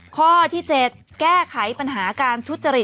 ข้อที่๗แก้ไขปัญหาการทุจริต